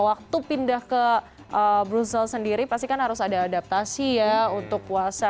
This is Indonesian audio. waktu pindah ke brussel sendiri pasti kan harus ada adaptasi ya untuk puasa